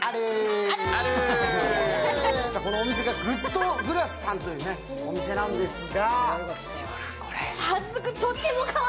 このお店がＧＯＯＤＧＬＡＳさんというお店なんですが。